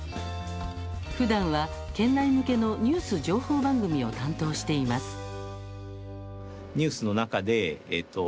ふだんは県内向けのニュース情報番組を担当しています。